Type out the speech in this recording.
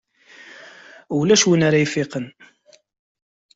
Ulac win ara ifiqen.